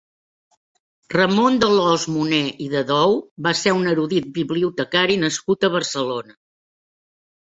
Ramon d'Alòs-Moner i de Dou va ser un erudit i bibliotecari nascut a Barcelona.